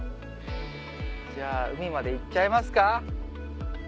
じゃあ海まで行っちゃいますか？